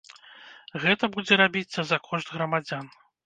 Гэта будзе рабіцца за кошт грамадзян.